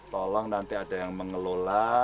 tolong nanti ada yang mengelola